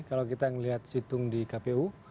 kalau kita melihat situng di kpu